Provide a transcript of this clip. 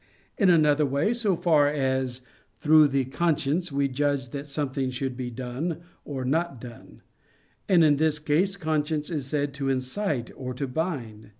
In another way, so far as through the conscience we judge that something should be done or not done; and in this sense, conscience is said to incite or to bind.